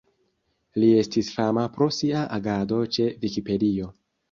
Li estis fama pro sia agado ĉe Vikipedio.